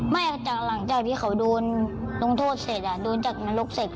หลังจากที่เขาโดนลงโทษเสร็จโดนจากนรกเสร็จ